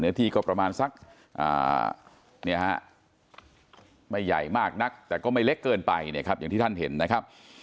เนื้อที่ก็ประมาณนักนี้ไม่ใหญ่มากนักแต่ก็ไม่เล็กเกินไปนะครับ